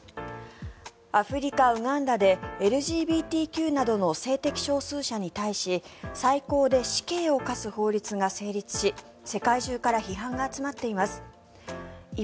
アフリカ・ウガンダでＬＧＢＴＱなどの性的少数者に対し最高で死刑を科す法律が成立し世界中から批判が集まっています。